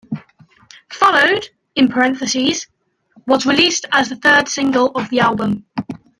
"Followed" was released as the third single of the album.